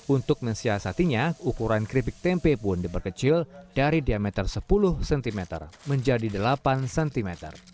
untuk mensiasatinya ukuran keripik tempe pun diperkecil dari diameter sepuluh cm menjadi delapan cm